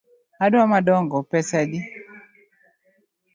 Adwa madongo, pesa adi?